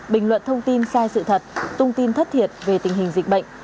bình luận thông tin sai sự thật thông tin thất thiệt về tình hình dịch bệnh